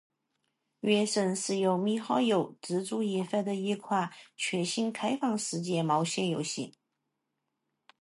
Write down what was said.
《原神》是由米哈游自主研发的一款全新开放世界冒险游戏。